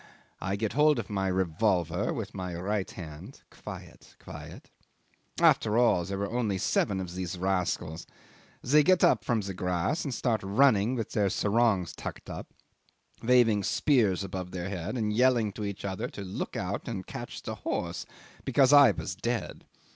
I get hold of my revolver with my right hand quiet quiet. After all, there were only seven of these rascals. They get up from the grass and start running with their sarongs tucked up, waving spears above their heads, and yelling to each other to look out and catch the horse, because I was dead.